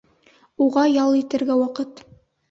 Уға ял итергә ваҡыт